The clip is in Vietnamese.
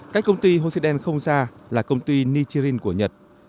cách công ty hồ sĩ đen không xa là công ty nichirin của nhật